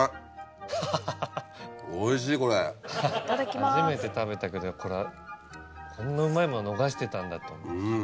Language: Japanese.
初めて食べたけどこれこんなうまいもの逃してたんだと思って。